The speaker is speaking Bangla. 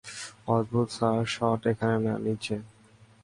অদ্ভুত, স্যার, শট এখানে না, নিচে।